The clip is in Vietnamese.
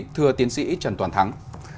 thưa tiến sĩ trần toàn thắng